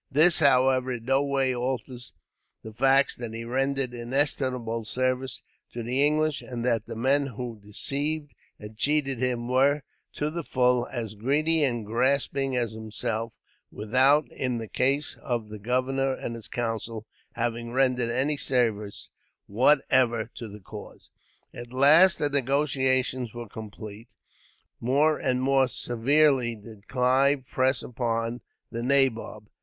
This, however, in no way alters the facts that he rendered inestimable service to the English; and that the men who deceived and cheated him were, to the full, as greedy and grasping as himself; without, in the case of the governor and his council, having rendered any service whatever to the cause. At last, the negotiations were complete. More and more severely did Clive press upon the nabob.